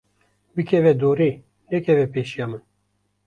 Bikeve dorê, nekeve pêşiya min.